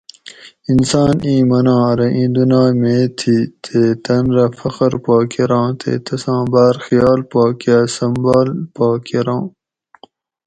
انسان ایں مناں ارو اِیں دُنائ میں تھی تے تن رہ فخر پا کراں تے تساں باۤر خیال پا کاۤ سمبال پا کراں